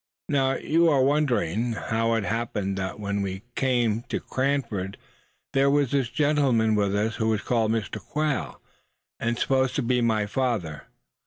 "Now, you are wondering, suh, how it happened that when we came to Cranford there was a gentleman with us who was called Mr. Quail, and supposed to be my father.